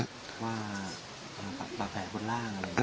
ว่าปากแผลบนร่างอะไร